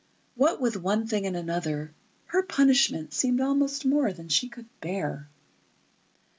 What with one thing and another, her punishment seemed almost more than she could bear....